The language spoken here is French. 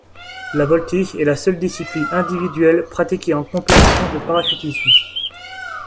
La voltige est la seule discipline individuelle pratiquée en compétition de parachutisme.